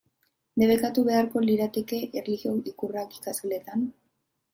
Debekatu beharko lirateke erlijio ikurrak ikasgeletan?